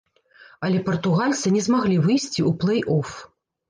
Але партугальцы не змаглі выйсці ў плэй-оф.